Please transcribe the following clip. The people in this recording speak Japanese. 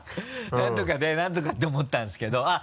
「何とかで何とかって思ったんですけどあっ！